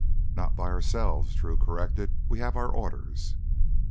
"Not by ourselves," Drew corrected. "We have our orders."